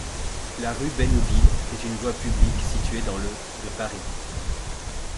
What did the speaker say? La rue Benouville est une voie publique située dans le de Paris.